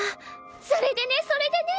それでねそれでね。